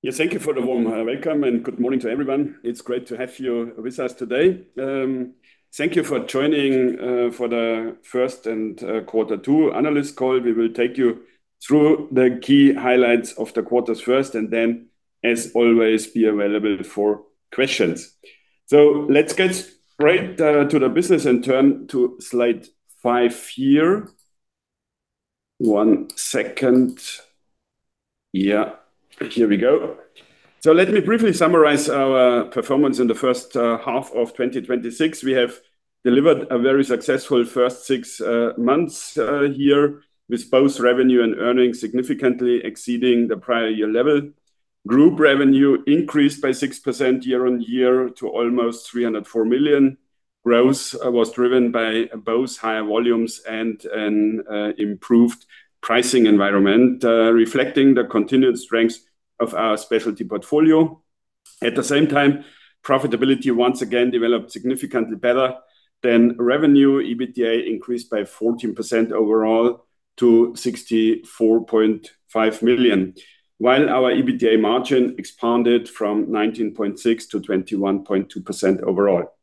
Yes, thank you for the warm welcome, and good morning to everyone. It is great to have you with us today. Thank you for joining for the first and quarter two analyst call. We will take you through the key highlights of the quarters first, and then, as always, be available for questions. Let us get right to the business and turn to slide five here. One second. Here we go. Let me briefly summarize our performance in the first half of 2026. We have delivered a very successful first six months here, with both revenue and earnings significantly exceeding the prior year level. Group revenue increased by 6% year-on-year to almost 304 million. Growth was driven by both higher volumes and an improved pricing environment, reflecting the continued strength of our specialty portfolio. At the same time, profitability once again developed significantly better than revenue. EBITDA increased by 14% overall to 64.5 million, while our EBITDA margin expanded from 19.6% to 21.2% overall.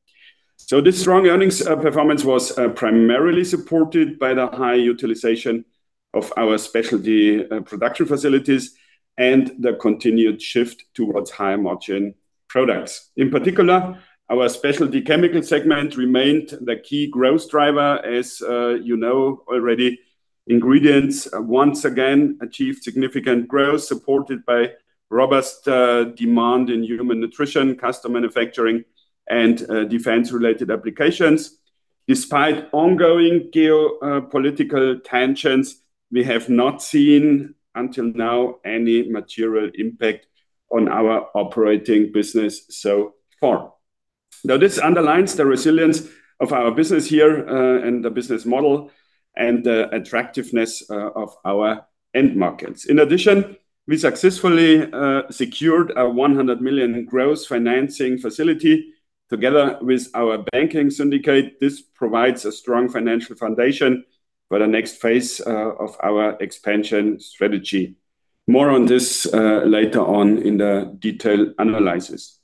This strong earnings performance was primarily supported by the high utilization of our specialty production facilities and the continued shift towards high-margin products. In particular, our Specialty Chemicals segment remained the key growth driver, as you know already. Ingredients once again achieved significant growth, supported by robust demand in Human Nutrition, custom manufacturing, and defense-related applications. Despite ongoing geopolitical tensions, we have not seen, until now, any material impact on our operating business so far. This underlines the resilience of our business here and the business model and the attractiveness of our end markets. In addition, we successfully secured a 100 million growth financing facility together with our banking syndicate. This provides a strong financial foundation for the next phase of our expansion strategy. More on this later on in the detailed analysis.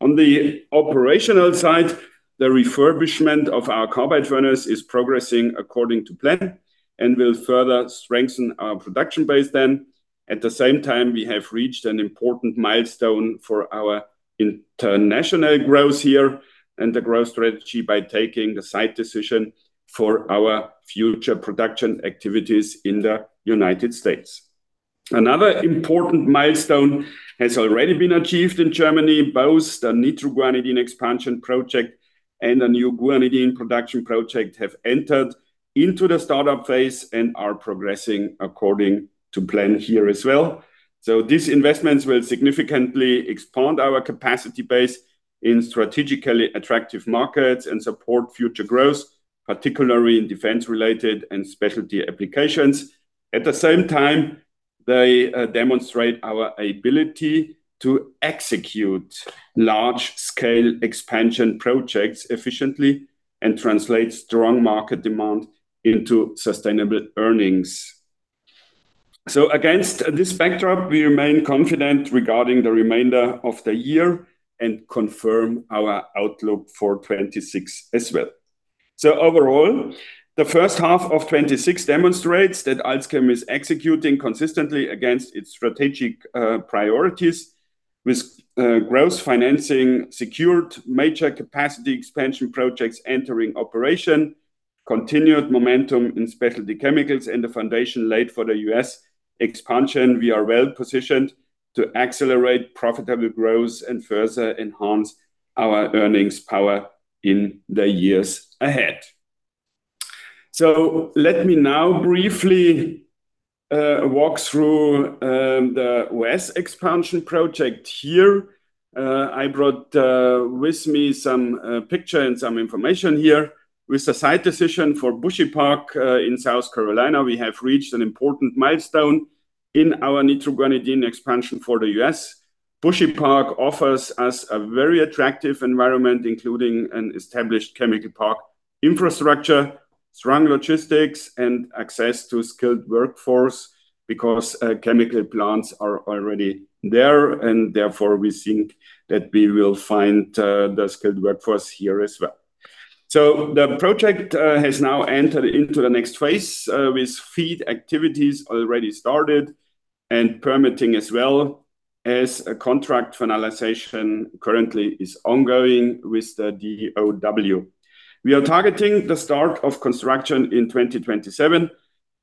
On the operational side, the refurbishment of our carbide furnace is progressing according to plan and will further strengthen our production base then. At the same time, we have reached an important milestone for our international growth here and the growth strategy by taking the site decision for our future production activities in the U.S. Another important milestone has already been achieved in Germany. Both the nitroguanidine expansion project and a new guanidine production project have entered into the startup phase and are progressing according to plan here as well. These investments will significantly expand our capacity base in strategically attractive markets and support future growth, particularly in defense-related and specialty applications. At the same time, they demonstrate our ability to execute large-scale expansion projects efficiently and translate strong market demand into sustainable earnings. Against this backdrop, we remain confident regarding the remainder of the year and confirm our outlook for 2026 as well. Overall, the first half of 2026 demonstrates that AlzChem is executing consistently against its strategic priorities, with growth financing secured, major capacity expansion projects entering operation, continued momentum in Specialty Chemicals, and the foundation laid for the U.S. expansion. We are well-positioned to accelerate profitable growth and further enhance our earnings power in the years ahead. Let me now briefly walk through the U.S. expansion project here. I brought with me some picture and some information here. With the site decision for Bushy Park in South Carolina, we have reached an important milestone in our nitroguanidine expansion for the U.S. Bushy Park offers us a very attractive environment, including an established chemical park infrastructure, strong logistics, and access to skilled workforce because chemical plants are already there. Therefore, we think that we will find the skilled workforce here as well. The project has now entered into the next phase, with FEED activities already started and permitting as well as a contract finalization currently is ongoing with the DoD. We are targeting the start of construction in 2027,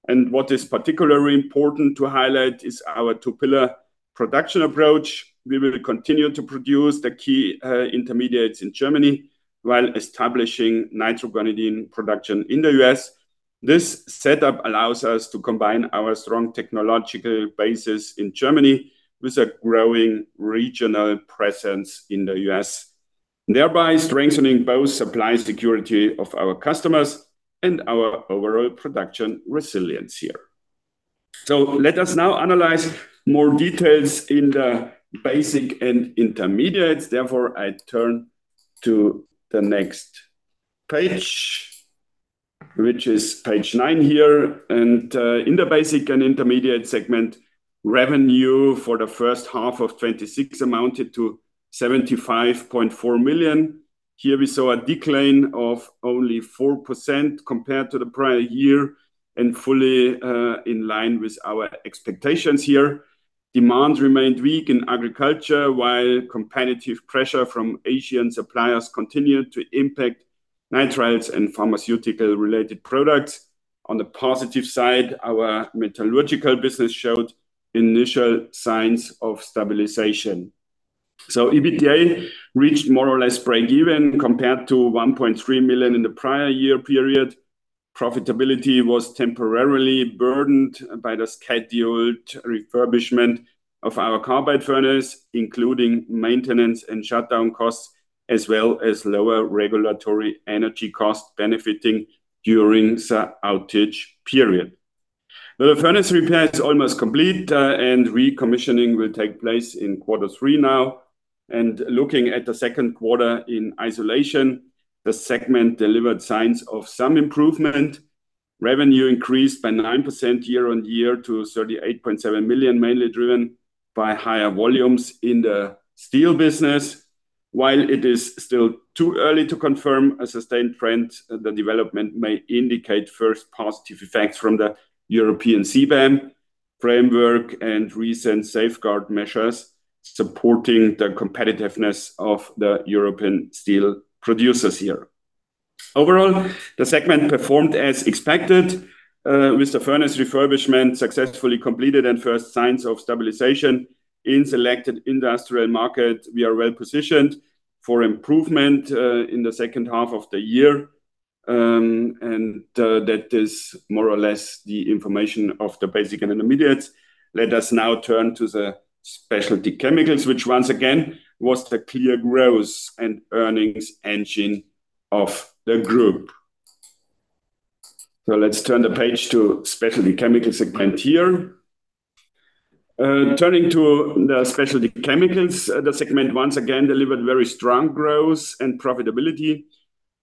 and what is particularly important to highlight is our two-pillar production approach. We will continue to produce the key intermediates in Germany while establishing nitroguanidine production in the U.S. This setup allows us to combine our strong technological basis in Germany with a growing regional presence in the U.S., thereby strengthening both supply security of our customers and our overall production resilience here. Let us now analyze more details in the Basics & Intermediates. I turn to the next page Which is page nine here. In the Basics & Intermediates segment, revenue for the first half of 2026 amounted to 75.4 million. Here we saw a decline of only 4% compared to the prior year and fully in line with our expectations here. Demand remained weak in agriculture, while competitive pressure from Asian suppliers continued to impact Nitriles and pharmaceutical-related products. On the positive side, our metallurgical business showed initial signs of stabilization. EBITDA reached more or less break-even compared to 1.3 million in the prior year period. Profitability was temporarily burdened by the scheduled refurbishment of our carbide furnace, including maintenance and shutdown costs, as well as lower regulatory energy costs benefitting during the outage period. The furnace repair is almost complete, and recommissioning will take place in quarter three now. Looking at the second quarter in isolation, the segment delivered signs of some improvement. Revenue increased by 9% year-on-year to 38.7 million, mainly driven by higher volumes in the steel business. While it is still too early to confirm a sustained trend, the development may indicate first positive effects from the European CBAM framework and recent safeguard measures supporting the competitiveness of the European steel producers here. Overall, the segment performed as expected, with the furnace refurbishment successfully completed and first signs of stabilization in selected industrial markets. We are well-positioned for improvement in the second half of the year. That is more or less the information of the Basics & Intermediates. Let us now turn to the Specialty Chemicals, which once again was the clear growth and earnings engine of the group. Let's turn the page to Specialty Chemicals segment here. Turning to the Specialty Chemicals, the segment once again delivered very strong growth and profitability.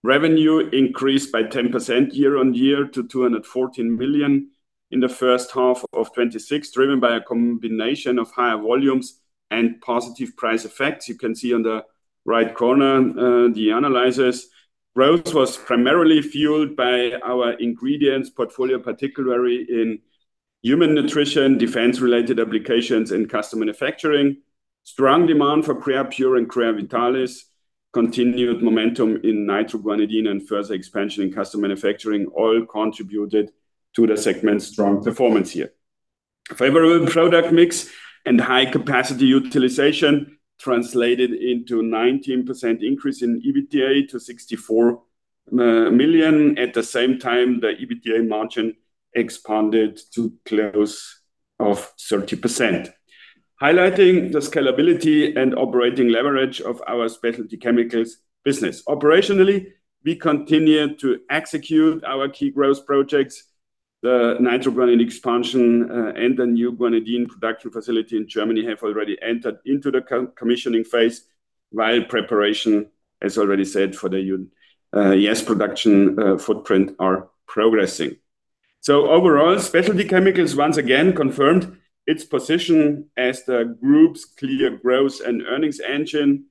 Revenue increased by 10% year-on-year to 214 million in the first half of 2026, driven by a combination of higher volumes and positive price effects. You can see on the right corner, the analysis. Growth was primarily fueled by our Ingredients portfolio, particularly in Human Nutrition, defense-related applications, and custom manufacturing. Strong demand for Creapure and Creavitalis, continued momentum in nitroguanidine, and further expansion in custom manufacturing all contributed to the segment's strong performance here. Favorable product mix and high capacity utilization translated into 19% increase in EBITDA to 64 million. At the same time, the EBITDA margin expanded to close of 30%, highlighting the scalability and operating leverage of our Specialty Chemicals business. Operationally, we continued to execute our key growth projects. The nitroguanidine expansion and the new guanidine production facility in Germany have already entered into the commissioning phase, while preparation, as already said, for the NQ production footprint are progressing. Overall, Specialty Chemicals once again confirmed its position as the group's clear growth and earnings engine,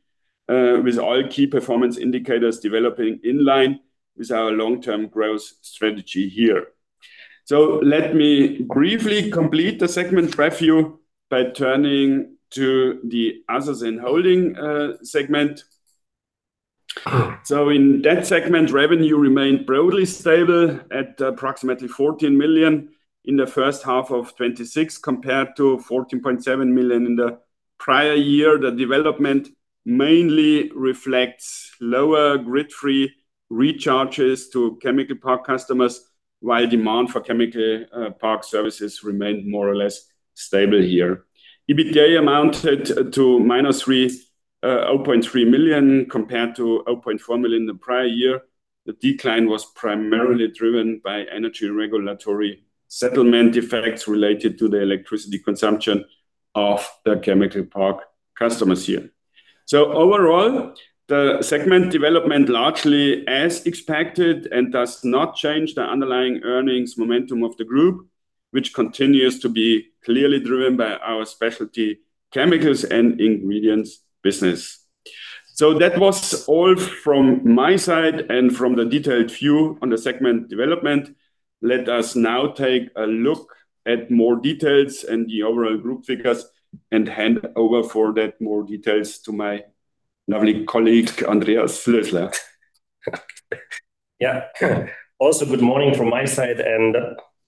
with all key performance indicators developing in line with our long-term growth strategy here. Let me briefly complete the segment review by turning to the Other & Holding segment. In that segment, revenue remained broadly stable at approximately 14 million in the first half of 2026, compared to 14.7 million in the prior year. The development mainly reflects lower grid-free recharges to chemical park customers, while demand for chemical park services remained more or less stable here. EBITDA amounted to -0.3 million, compared to 0.4 million the prior year. The decline was primarily driven by energy regulatory settlement difference related to the electricity consumption of the chemical park customers here. So overall, the segment development largely as expected and does not change the underlying earnings momentum of the group, which continues to be clearly driven by our Specialty Chemicals and ingredients business. So that was all from my side and from the details few on the segment development, let us now take a look at more details and the overall group figures and hand over for that more details to my lovely colleague Andreas Lösler. Also good morning from my side, and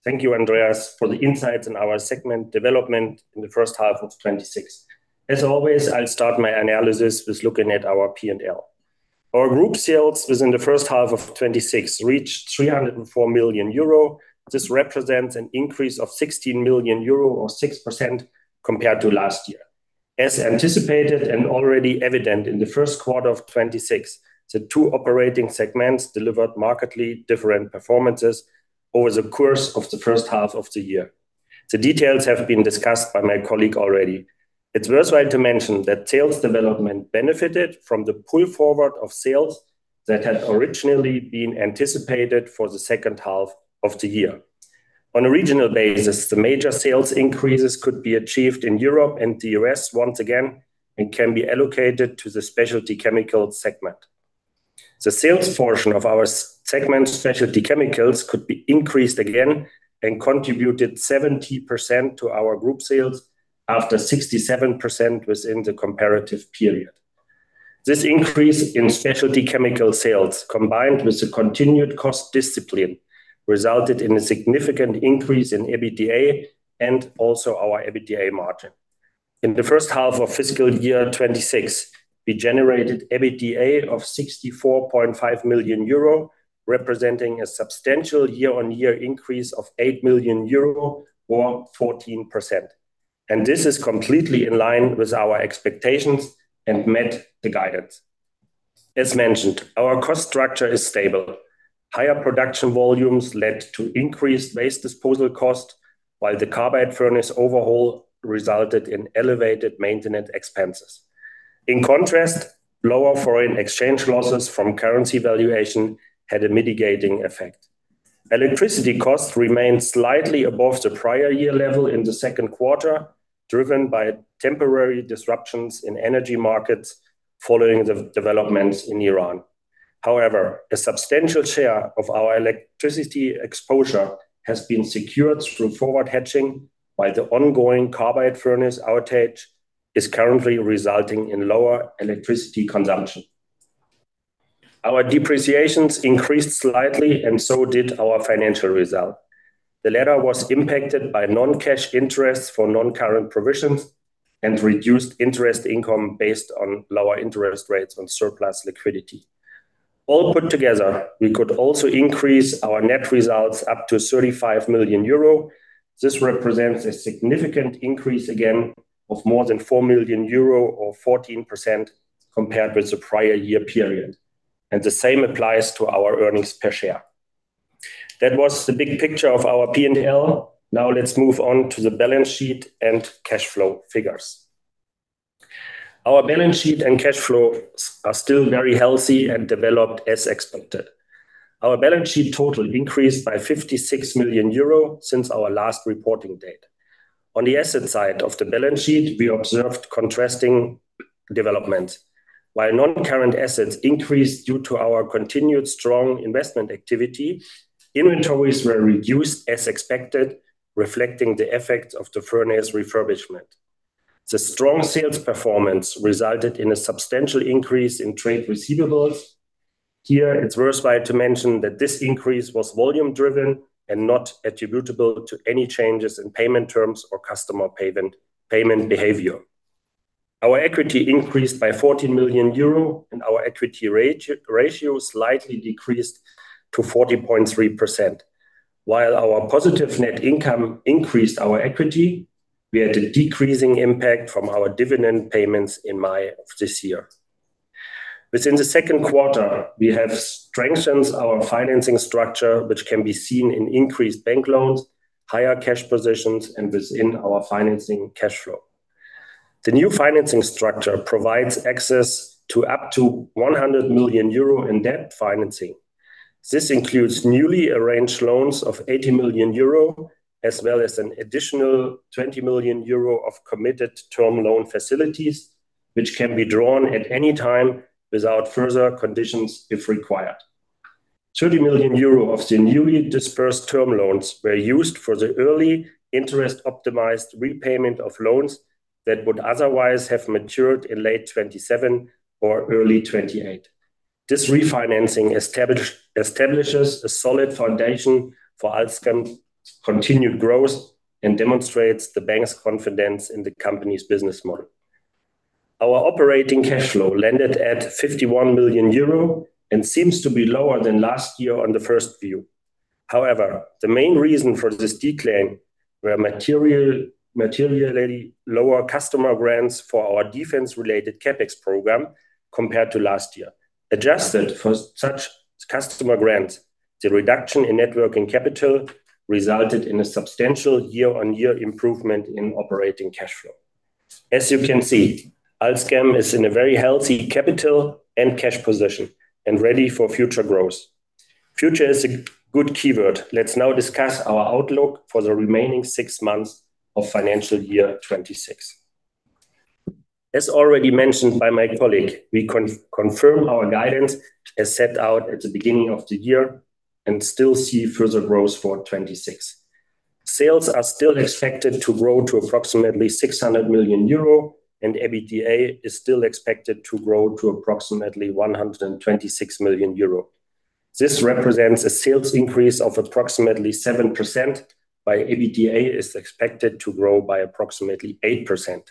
thank you, Andreas, for the insights in our segment development in the first half of 2026. As always, I'll start my analysis with looking at our P&L. Our group sales within the first half of 2026 reached 304 million euro. This represents an increase of 16 million euro, or 6%, compared to last year. As anticipated and already evident in the first quarter of 2026, the two operating segments delivered markedly different performances over the course of the first half of the year. The details have been discussed by my colleague already. It's worthwhile to mention that sales development benefited from the pull forward of sales that had originally been anticipated for the second half of the year. On a regional basis, the major sales increases could be achieved in Europe and the U.S. once again, and can be allocated to the Specialty Chemicals segment. The sales portion of our segment Specialty Chemicals could be increased again and contributed 70% to our group sales after 67% within the comparative period. This increase in Specialty Chemicals sales, combined with the continued cost discipline, resulted in a significant increase in EBITDA and also our EBITDA margin. In the first half of fiscal year 2026, we generated EBITDA of 64.5 million euro, representing a substantial year-on-year increase of 8 million euro, or 14%. This is completely in line with our expectations and met the guidance. As mentioned, our cost structure is stable. Higher production volumes led to increased waste disposal cost, while the carbide furnace overhaul resulted in elevated maintenance expenses. In contrast, lower foreign exchange losses from currency valuation had a mitigating effect. Electricity costs remained slightly above the prior year level in the second quarter, driven by temporary disruptions in energy markets following the developments in Iran. However, a substantial share of our electricity exposure has been secured through forward hedging, while the ongoing carbide furnace outage is currently resulting in lower electricity consumption. Our depreciations increased slightly and so did our financial result. The latter was impacted by non-cash interest for non-current provisions and reduced interest income based on lower interest rates on surplus liquidity. All put together, we could also increase our net results up to 35 million euro. This represents a significant increase again of more than 4 million euro or 14% compared with the prior year period, and the same applies to our earnings per share. That was the big picture of our P&L. Now let's move on to the balance sheet and cash flow figures. Our balance sheet and cash flows are still very healthy and developed as expected. Our balance sheet total increased by 56 million euro since our last reporting date. On the asset side of the balance sheet, we observed contrasting development. While non-current assets increased due to our continued strong investment activity, inventories were reduced as expected, reflecting the effect of the furnace refurbishment. The strong sales performance resulted in a substantial increase in trade receivables. Here, it's worthwhile to mention that this increase was volume driven and not attributable to any changes in payment terms or customer payment behavior. Our equity increased by 14 million euro and our equity ratio slightly decreased to 40.3%. While our positive net income increased our equity, we had a decreasing impact from our dividend payments in May of this year. Within the second quarter, we have strengthened our financing structure, which can be seen in increased bank loans, higher cash positions, and within our financing cash flow. The new financing structure provides access to up to 100 million euro in debt financing. This includes newly arranged loans of 80 million euro, as well as an additional 20 million euro of committed term loan facilities, which can be drawn at any time without further conditions if required. 30 million euro of the newly dispersed term loans were used for the early interest-optimized repayment of loans that would otherwise have matured in late 2027 or early 2028. This refinancing establishes a solid foundation for AlzChem's continued growth and demonstrates the bank's confidence in the company's business model. Our operating cash flow landed at 51 million euro and seems to be lower than last year on the first view. The main reason for this decline were materially lower customer grants for our defense-related CAPEX program compared to last year. Adjusted for such customer grants, the reduction in net working capital resulted in a substantial year-on-year improvement in operating cash flow. As you can see, AlzChem is in a very healthy capital and cash position and ready for future growth. Future is a good keyword. Let's now discuss our outlook for the remaining six months of financial year 2026. As already mentioned by my colleague, we confirm our guidance as set out at the beginning of the year and still see further growth for 2026. Sales are still expected to grow to approximately 600 million euro, and EBITDA is still expected to grow to approximately 126 million euro. This represents a sales increase of approximately 7%, while EBITDA is expected to grow by approximately 8%.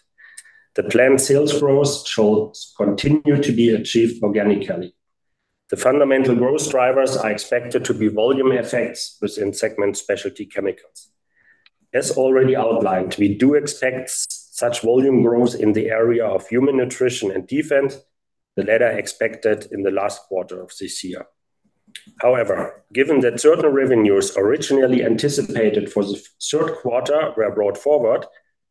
The planned sales growth should continue to be achieved organically. The fundamental growth drivers are expected to be volume effects within segment Specialty Chemicals. As already outlined, we do expect such volume growth in the area of Human Nutrition and defense, the latter expected in the last quarter of this year. However, given that certain revenues originally anticipated for the third quarter were brought forward,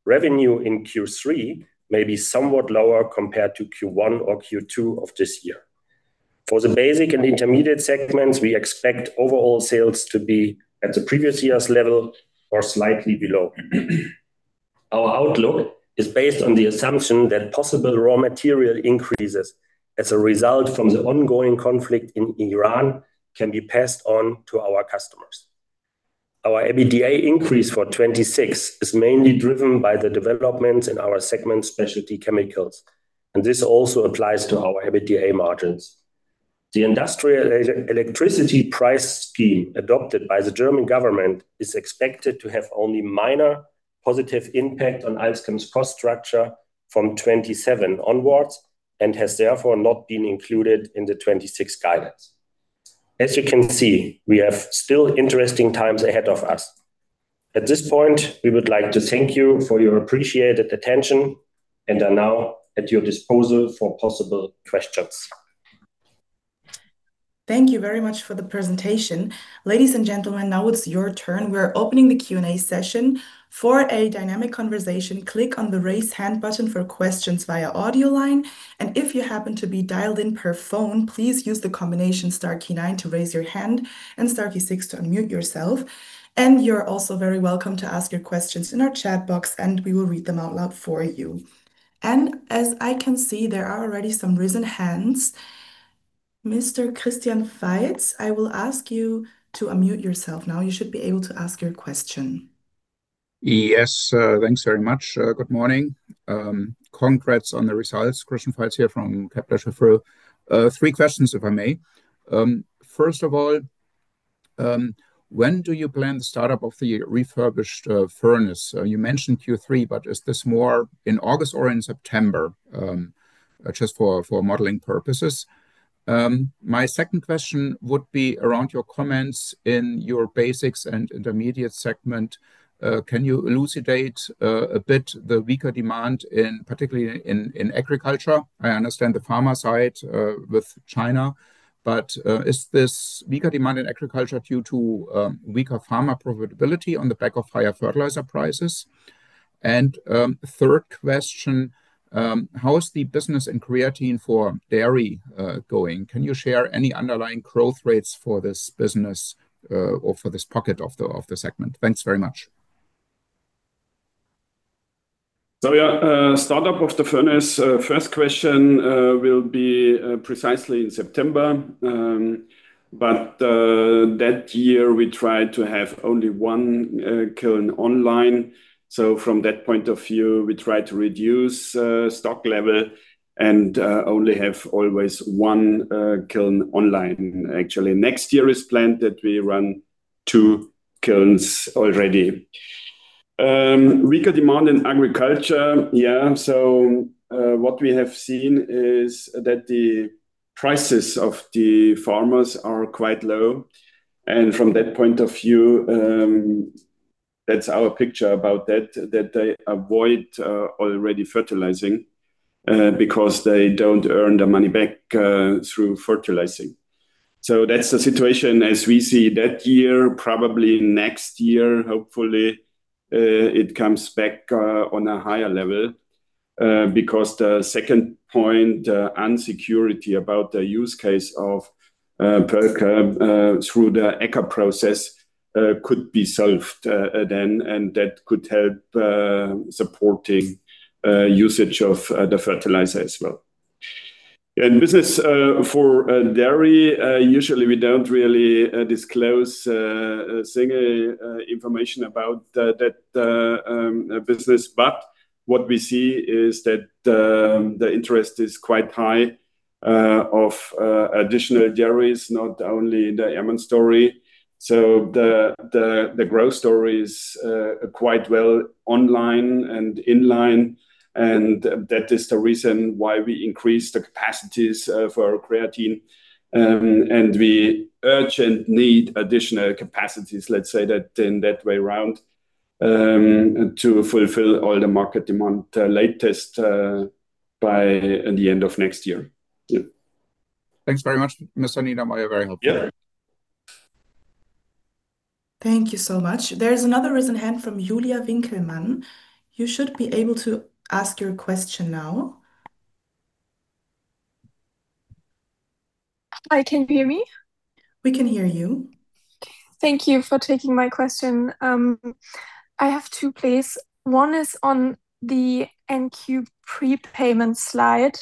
revenue in Q3 may be somewhat lower compared to Q1 or Q2 of this year. For the Basics & Intermediates segments, we expect overall sales to be at the previous year's level or slightly below. Our outlook is based on the assumption that possible raw material increases as a result from the ongoing conflict in Iran can be passed on to our customers. Our EBITDA increase for 2026 is mainly driven by the developments in our segment Specialty Chemicals, and this also applies to our EBITDA margins. The industrial electricity price scheme adopted by the German government is expected to have only minor positive impact on AlzChem's cost structure from 2027 onwards, and has therefore not been included in the 2026 guidance. As you can see, we have still interesting times ahead of us. At this point, we would like to thank you for your appreciated attention and are now at your disposal for possible questions. Thank you very much for the presentation. Ladies and gentlemen, now it's your turn. We're opening the Q&A session. For a dynamic conversation, click on the raise hand button for questions via audio line. If you happen to be dialed in per phone, please use the combination star key nine to raise your hand and star key six to unmute yourself. You're also very welcome to ask your questions in our chat box and we will read them out loud for you. As I can see, there are already some risen hands. Mr. Christian Veit, I will ask you to unmute yourself now. You should be able to ask your question. Yes, thanks very much. Good morning. Congrats on the results. Christian Veit here from. Three questions, if I may. First of all, when do you plan the startup of the refurbished furnace? You mentioned Q3, but is this more in August or in September? Just for modeling purposes. My second question would be around your comments in your Basics & Intermediates segment. Can you elucidate a bit the weaker demand in particularly in agriculture? I understand the pharma side with China, but is this weaker demand in agriculture due to weaker pharma profitability on the back of higher fertilizer prices? Third question, how is the business in creatine for dairy going? Can you share any underlying growth rates for this business, or for this pocket of the segment? Thanks very much. Yeah, startup of the furnace, first question, will be precisely in September. That year we tried to have only one kiln online. From that point of view, we try to reduce stock level and only have always one kiln online. Actually, next year is planned that we run two kilns already. Weaker demand in agriculture. Yeah. What we have seen is that the prices of the farmers are quite low. From that point of view, that's our picture about that they avoid already fertilizing, because they don't earn the money back through fertilizing. That's the situation as we see that year. Probably next year, hopefully, it comes back on a higher level, because the second point, the insecurity about the use case of Perlka through the ECHA process, could be solved then, and that could help supporting usage of the fertilizer as well. Business for dairy, usually we don't really disclose single information about that business. What we see is that the interest is quite high of additional dairies, not only the German story. The growth story is quite well online and in line, and that is the reason why we increased the capacities for creatine. We urgent need additional capacities, let's say that in that way around, to fulfill all the market demand latest by the end of next year. Yeah. Thanks very much, Mr. Niedermaier. Very helpful. Yeah. Thank you so much. There's another risen hand from Julia Winkelmann. You should be able to ask your question now. Hi, can you hear me? We can hear you. Thank you for taking my question. I have two, please. One is on the NQ prepayment slide.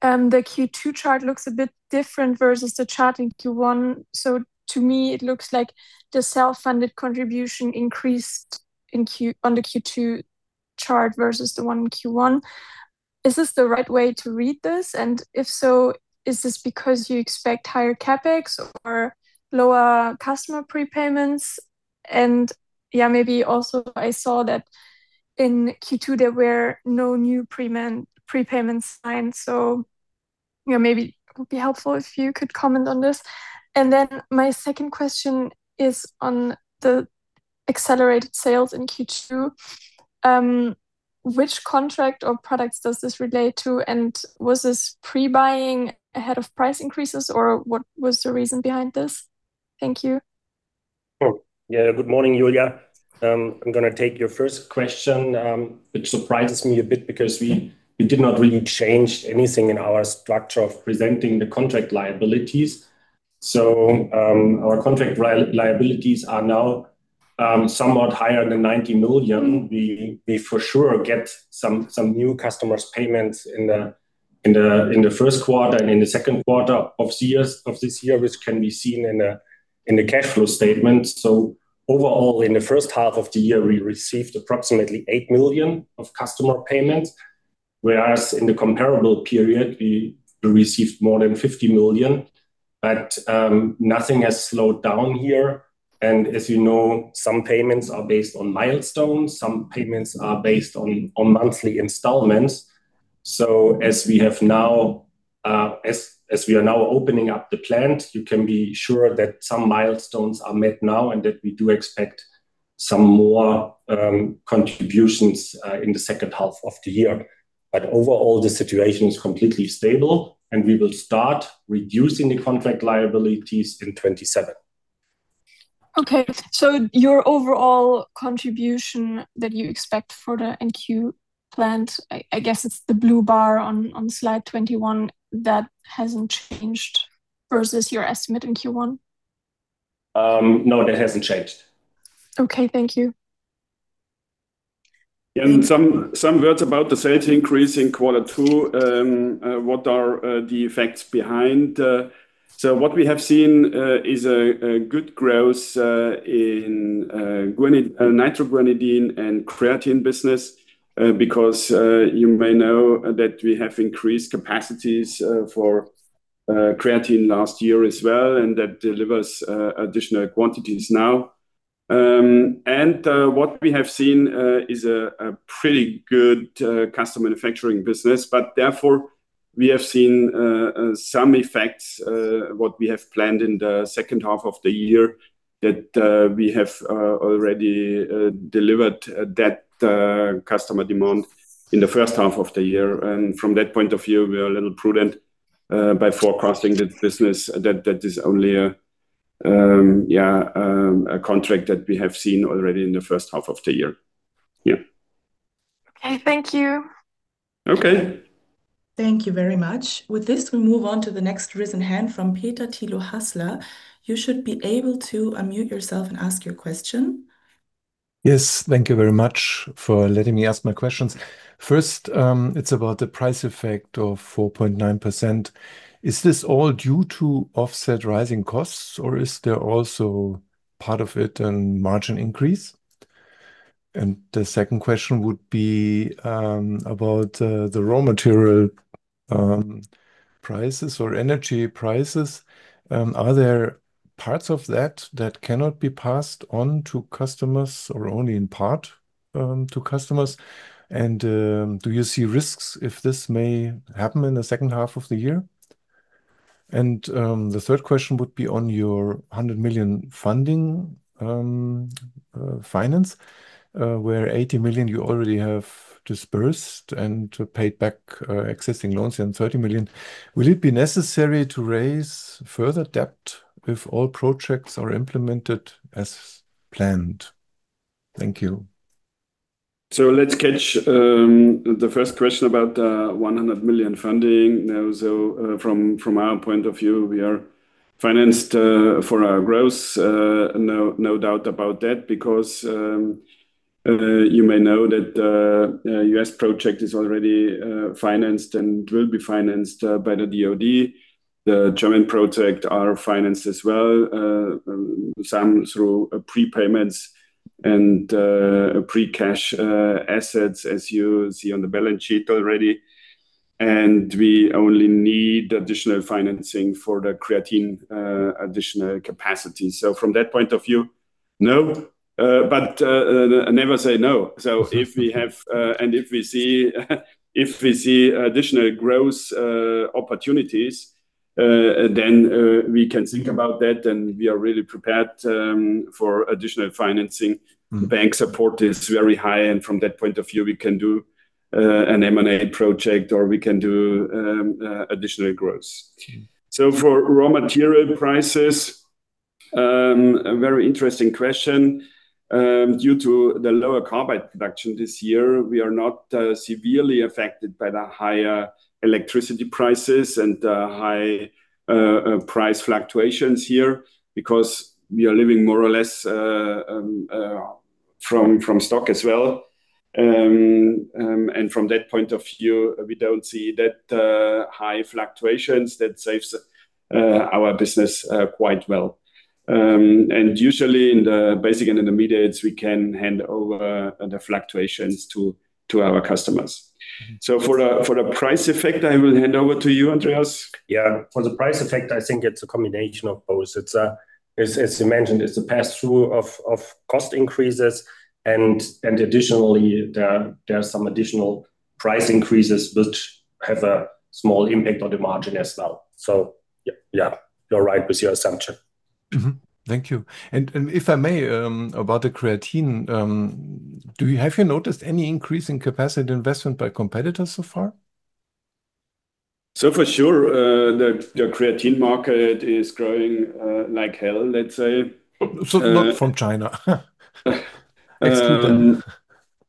The Q2 chart looks a bit different versus the chart in Q1. To me, it looks like the self-funded contribution increased on the Q2 chart versus the one in Q1. Is this the right way to read this? If so, is this because you expect higher CapEx or lower customer prepayments? Maybe also I saw that in Q2 there were no new prepayments signed. Maybe it would be helpful if you could comment on this. My second question is on the accelerated sales in Q2. Which contract or products does this relate to, and was this pre-buying ahead of price increases, or what was the reason behind this? Thank you. Good morning, Julia. I'm going to take your first question, which surprises me a bit because we did not really change anything in our structure of presenting the contract liabilities. Our contract liabilities are now somewhat higher than 90 million. We for sure get some new customers' payments in the first quarter and in the second quarter of this year, which can be seen in the cash flow statement. Overall, in the first half of the year, we received approximately 8 million of customer payments, whereas in the comparable period, we received more than 50 million, nothing has slowed down here. As you know, some payments are based on milestones, some payments are based on monthly installments. As we are now opening up the plant, you can be sure that some milestones are met now, and that we do expect some more contributions in the second half of the year. Overall, the situation is completely stable, and we will start reducing the contract liabilities in 2027. Okay. Your overall contribution that you expect for the NQ plant, I guess it's the blue bar on slide 21 that hasn't changed versus your estimate in Q1? No, that hasn't changed. Okay. Thank you. Some words about the sales increase in quarter two. What are the effects behind? What we have seen is a good growth in nitroguanidine and creatine business, because you may know that we have increased capacities for creatine last year as well, and that delivers additional quantities now. What we have seen is a pretty good custom manufacturing business, therefore we have seen some effects, what we have planned in the second half of the year, that we have already delivered that customer demand in the first half of the year. From that point of view, we are a little prudent by forecasting that business that is only a contract that we have seen already in the first half of the year. Okay. Thank you. Okay. Thank you very much. With this, we move on to the next risen hand from Peter Thilo Hasler. You should be able to unmute yourself and ask your question. Yes. Thank you very much for letting me ask my questions. First, it's about the price effect of 4.9%. Is this all due to offset rising costs, or is there also part of it a margin increase? The second question would be about the raw material prices or energy prices. Are there parts of that that cannot be passed on to customers or only in part to customers? Do you see risks if this may happen in the second half of the year? The third question would be on your 100 million funding finance, where 80 million you already have disbursed and paid back existing loans and 30 million. Will it be necessary to raise further debt if all projects are implemented as planned? Thank you. Let's catch the first question about 100 million funding. From our point of view, we are financed for our growth. No doubt about that, because you may know that the U.S. project is already financed and will be financed by the DoD. The German projects are financed as well, some through prepayments and pre-cash assets as you see on the balance sheet already. We only need additional financing for the creatine additional capacity. From that point of view, no. Never say no. If we see additional growth opportunities, then we can think about that, and we are really prepared for additional financing. Bank support is very high, from that point of view, we can do an M&A project or we can do additional growth. For raw material prices, a very interesting question. Due to the lower carbide production this year, we are not severely affected by the higher electricity prices and the high price fluctuations here because we are living more or less from stock as well. From that point of view, we don't see that high fluctuations. That saves our business quite well. Usually in the Basics & Intermediates, we can hand over the fluctuations to our customers. For the price effect, I will hand over to you, Andreas. Yeah. For the price effect, I think it's a combination of both. As you mentioned, it's a pass-through of cost increases and additionally, there are some additional price increases which have a small impact on the margin as well. Yeah, you're right with your assumption. Thank you. If I may, about the creatine, have you noticed any increase in capacity investment by competitors so far? For sure. The creatine market is growing like hell, let's say. Not from China. Excuse me.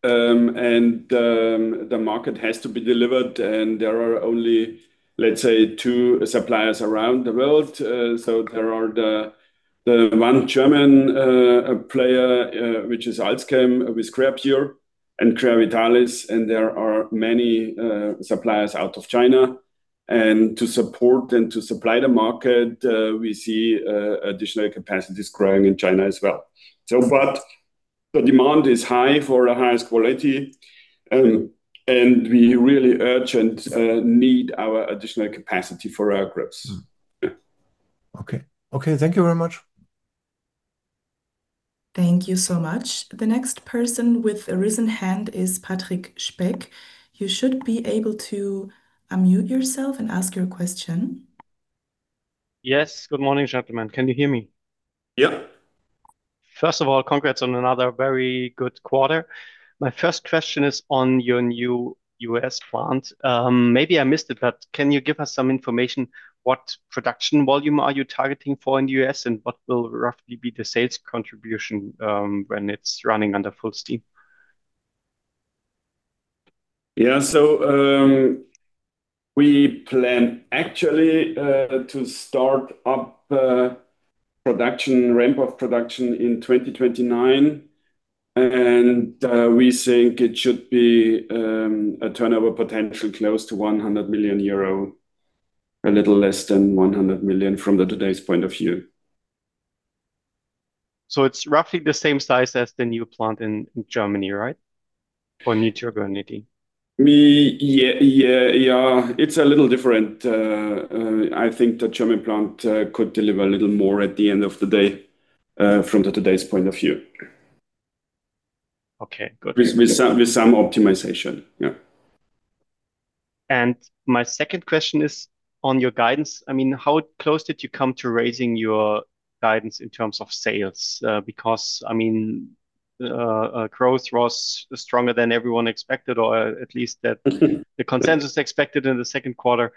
The market has to be delivered, and there are only, let's say, two suppliers around the world. There is the one German player, which is AlzChem, with Creapure, and Creavitalis, and there are many suppliers out of China. To support and to supply the market, we see additional capacities growing in China as well. The demand is high for the highest quality, and we really urgently need our additional capacity for our groups. Okay. Thank you very much. Thank you so much. The next person with a risen hand is Patrick Speck. You should be able to unmute yourself and ask your question. Yes. Good morning, gentlemen. Can you hear me? Yeah. First of all, congrats on another very good quarter. My first question is on your new U.S. plant. Maybe I missed it, but can you give us some information? What production volume are you targeting for in the U.S., and what will roughly be the sales contribution when it's running under full steam? Yeah. We plan actually to start up ramp-up production in 2029, and we think it should be a turnover potential close to 100 million euro, a little less than 100 million from today's point of view. It's roughly the same size as the new plant in Germany, right? For nitrogen, I mean. Yeah. It's a little different. I think the German plant could deliver a little more at the end of the day, from today's point of view. Okay, good. With some optimization. Yeah. My second question is on your guidance. How close did you come to raising your guidance in terms of sales? Growth was stronger than everyone expected, or at least that the consensus expected in the second quarter.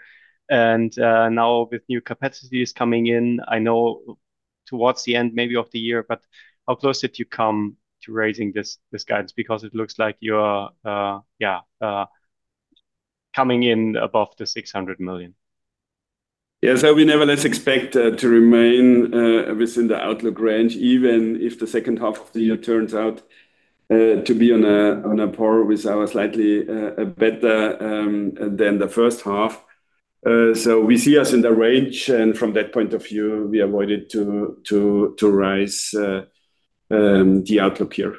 Now with new capacities coming in, I know towards the end maybe of the year, but how close did you come to raising this guidance? It looks like you're coming in above the 600 million. We nevertheless expect to remain within the outlook range, even if the second half of the year turns out to be on par with our slightly better than the first half. We see us in the range, and from that point of view, we avoided to raise the outlook here.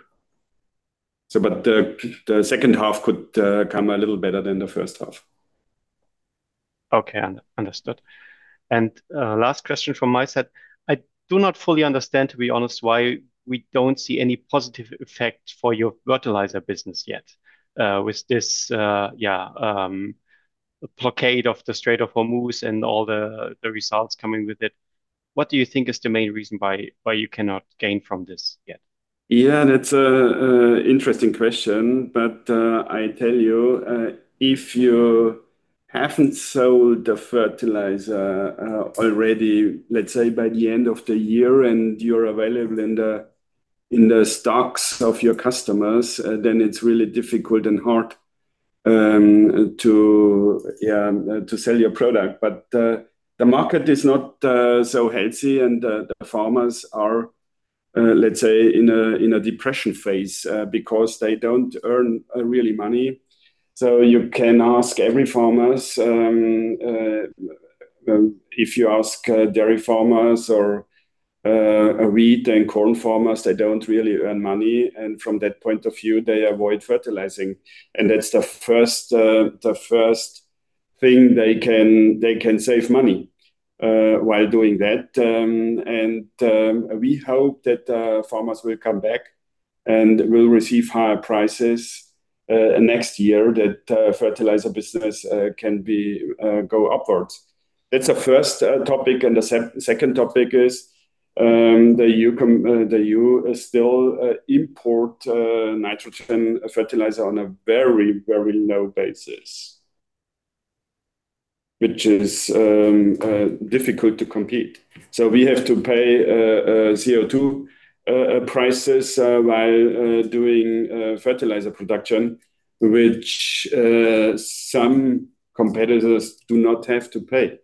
The second half could come a little better than the first half. Okay, understood. Last question from my side. I do not fully understand, to be honest, why we don't see any positive effect for your fertilizer business yet. With this blockade of the Strait of Hormuz and all the results coming with it, what do you think is the main reason why you cannot gain from this yet? That's an interesting question. I tell you, if you haven't sold the fertilizer already, let's say by the end of the year, and you're available in the stocks of your customers, then it's really difficult and hard to sell your product. The market is not so healthy, and the farmers are, let's say, in a depression phase because they don't earn really money. You can ask every farmer. If you ask dairy farmers or wheat and corn farmers, they don't really earn money. From that point of view, they avoid fertilizing, and that's the first thing they can save money while doing that. We hope that farmers will come back and will receive higher prices next year, that the fertilizer business can go upwards. That's the first topic, and the second topic is that you still import nitrogen fertilizer on a very low basis, which is difficult to compete. We have to pay CO2 prices while doing fertilizer production, which some competitors do not have to pay.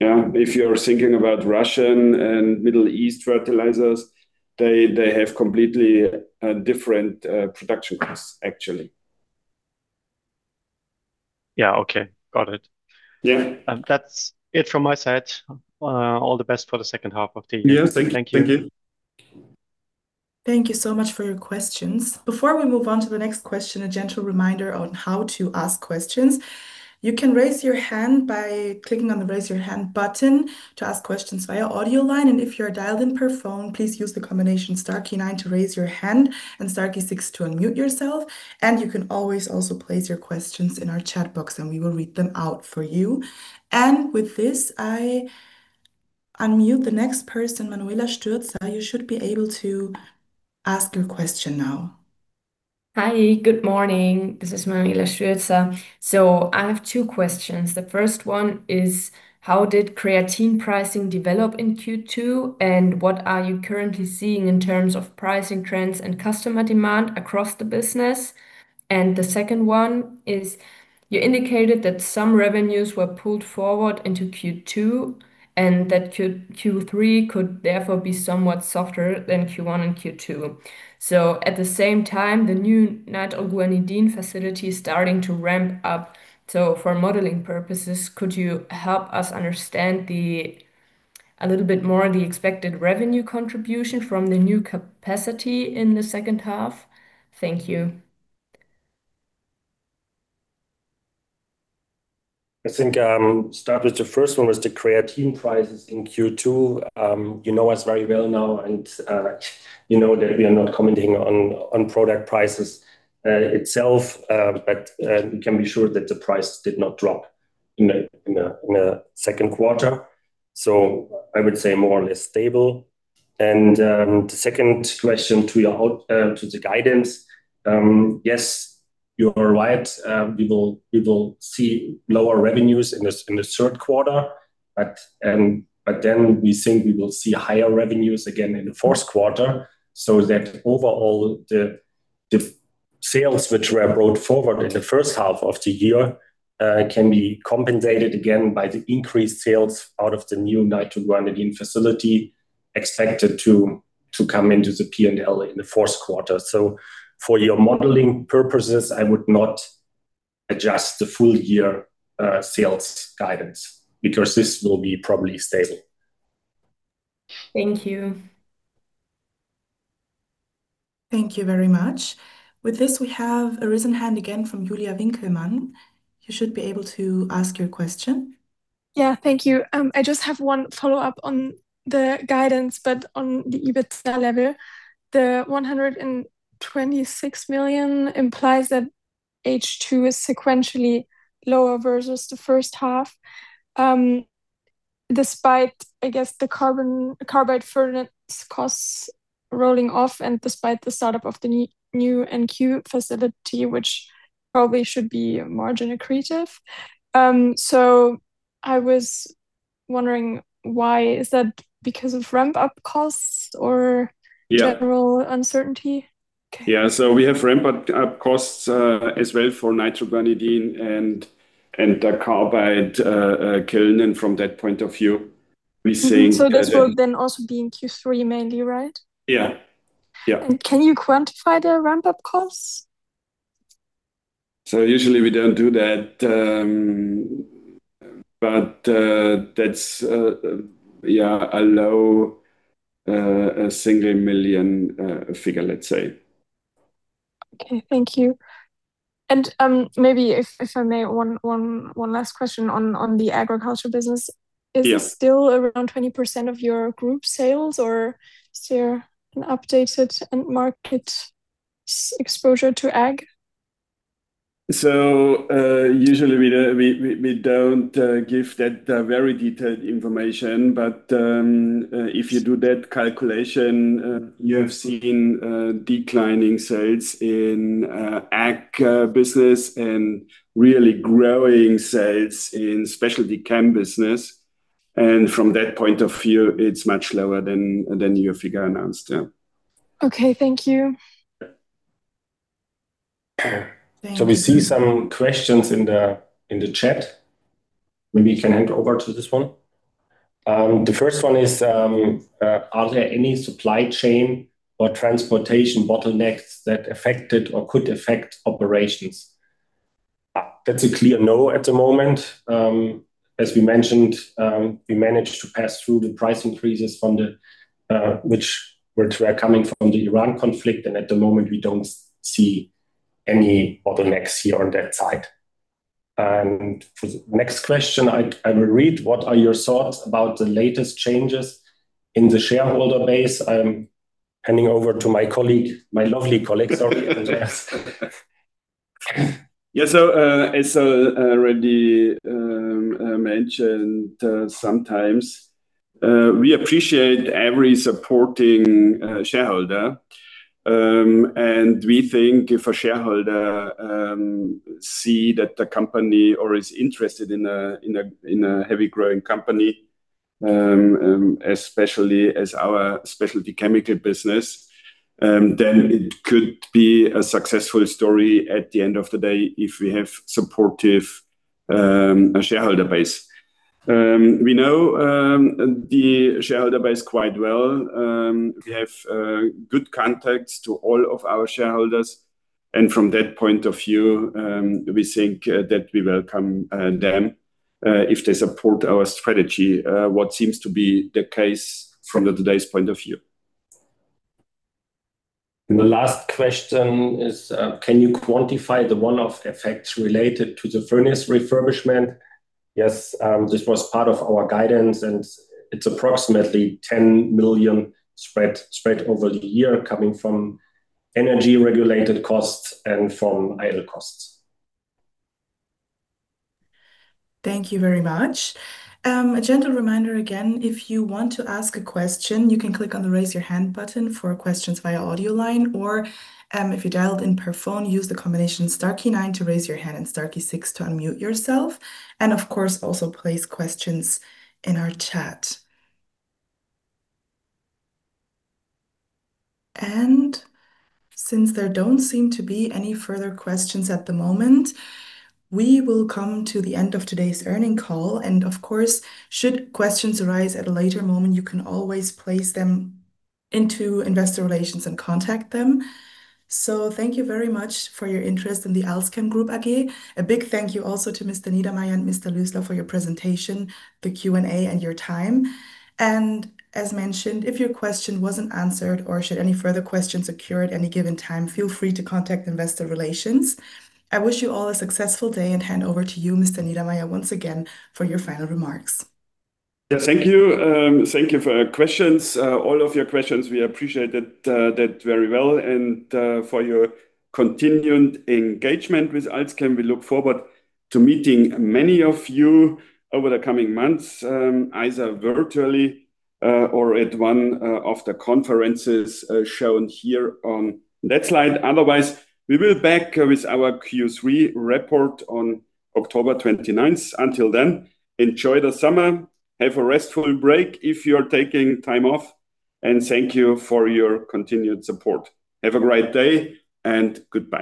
If you're thinking about Russian and Middle East fertilizers, they have completely different production costs, actually. Yeah, okay. Got it. Yeah. That's it from my side. All the best for the second half of the year. Yeah. Thank you. Thank you. Thank you so much for your questions. Before we move on to the next question, a gentle reminder on how to ask questions. You can raise your hand by clicking on the Raise Your Hand button to ask questions via audio line. If you're dialed in per phone, please use the combination star key nine to raise your hand and star key six to unmute yourself. You can always also place your questions in our chat box, and we will read them out for you. With this, I unmute the next person, Manuela Stürzer. You should be able to ask your question now. Hi, good morning. This is Manuela Stürzer. I have two questions. The first one is, how did creatine pricing develop in Q2, and what are you currently seeing in terms of pricing trends and customer demand across the business? The second one is, you indicated that some revenues were pulled forward into Q2, and that Q3 could therefore be somewhat softer than Q1 and Q2. At the same time, the new nitroguanidine facility is starting to ramp up. For modeling purposes, could you help us understand a little bit more the expected revenue contribution from the new capacity in the second half? Thank you. Start with the first one, was the creatine prices in Q2. You know us very well now and you know that we are not commenting on product prices itself. You can be sure that the price did not drop in the second quarter. I would say more or less stable. The second question to the guidance. Yes, you are right. We will see lower revenues in the third quarter, we think we will see higher revenues again in the fourth quarter. That overall, the sales which were brought forward in the first half of the year, can be compensated again by the increased sales out of the new nitroguanidine facility expected to come into the P&L in the fourth quarter. For your modeling purposes, I would not adjust the full year sales guidance, because this will be probably stable. Thank you. Thank you very much. With this, we have a raised hand again from Julia Winkelmann. You should be able to ask your question. Yeah. Thank you. I just have one follow-up on the guidance, but on the EBITDA level. The 126 million implies that H2 is sequentially lower versus the first half. Despite, I guess the carbide furnace costs rolling off and despite the startup of the new NQ facility, which probably should be margin accretive. I was wondering why. Is that because of ramp-up costs? Yeah. General uncertainty? Okay. Yeah. We have ramp-up costs, as well for nitroguanidine and the carbide furnace. Mm-hmm. This will then also be in Q3 mainly, right? Yeah. Can you quantify the ramp-up costs? Usually we don't do that. That's a low single million figure, let's say. Okay. Thank you. Maybe if I may, one last question on the agriculture business. Yeah. Is it still around 20% of your group sales, or is there an updated end market exposure to ag? Usually we don't give that very detailed information. If you do that calculation, you have seen declining sales in ag business and really growing sales in Specialty Chem business. From that point of view, it's much lower than your figure announced, yeah. Okay. Thank you. Thanks. We see some questions in the chat. Maybe you can hand over to this one. The first one is, are there any supply chain or transportation bottlenecks that affected or could affect operations? That's a clear no at the moment. As we mentioned, we managed to pass through the price increases which were coming from the Iran conflict. At the moment, we don't see any bottlenecks here on that side. For the next question, I will read. What are your thoughts about the latest changes in the shareholder base? I am handing over to my colleague, my lovely colleague. Sorry, Andreas. As already mentioned, sometimes we appreciate every supporting shareholder. We think if a shareholder see that the company or is interested in a heavy growing company, especially as our Specialty Chemicals business, then it could be a successful story at the end of the day if we have supportive shareholder base. We know the shareholder base quite well. We have good contacts to all of our shareholders. From that point of view, we think that we welcome them, if they support our strategy, what seems to be the case from the today's point of view. The last question is, can you quantify the one-off effects related to the carbide furnace refurbishment? Yes, this was part of our guidance. It's approximately 10 million spread over the year, coming from energy-regulated costs and from idle costs. Thank you very much. A gentle reminder again, if you want to ask a question, you can click on the raise your hand button for questions via audio line, or if you dialed in per phone, use the combination star key nine to raise your hand and star key six to unmute yourself. Of course, also place questions in our chat. Since there don't seem to be any further questions at the moment, we will come to the end of today's earning call. Of course, should questions arise at a later moment, you can always place them into investor relations and contact them. Thank you very much for your interest in the AlzChem Group AG. A big thank you also to Mr. Niedermaier and Mr. Lösler for your presentation, the Q&A, and your time. As mentioned, if your question wasn't answered or should any further questions occur at any given time, feel free to contact investor relations. I wish you all a successful day and hand over to you, Mr. Niedermaier, once again for your final remarks. Yeah. Thank you. Thank you for your questions. All of your questions, we appreciate that very well, and for your continued engagement with AlzChem. We look forward to meeting many of you over the coming months, either virtually or at one of the conferences shown here on that slide. Otherwise, we will be back with our Q3 report on October 29th. Until then, enjoy the summer. Have a restful break if you're taking time off, and thank you for your continued support. Have a great day, and goodbye.